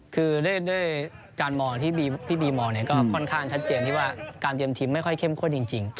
คือด้วยการมองที่พี่บีมองก็ค่อนข้างชัดเจนที่ว่าการเตรียมทีมไม่ค่อยเข้มข้นจริง